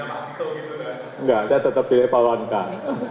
enggak saya tetap pilih pak wankar